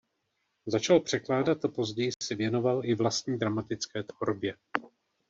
Začal překládat a později se věnoval i vlastní dramatické tvorbě.